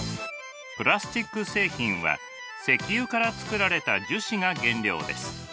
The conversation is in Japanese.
プラスチック製品は石油から作られた樹脂が原料です。